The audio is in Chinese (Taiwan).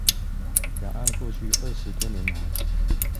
兩岸過去二十多年來